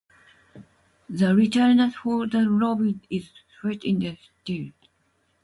The retaliation for the robbery is swift and fatal.